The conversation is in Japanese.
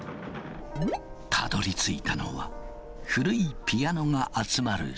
たどりついたのは古いピアノが集まる倉庫。